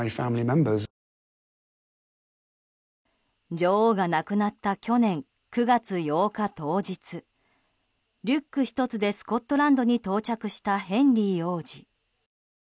女王が亡くなった去年９月８日当日リュック１つでスコットランドに到着したヘンリー王子。